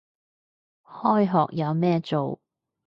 開學有咩做